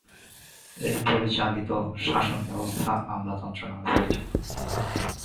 এই পরিচালিত শাসন ব্যবস্থা আমলাতন্ত্র নামে পরিচিত।